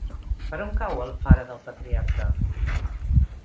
Per on cau Alfara del Patriarca?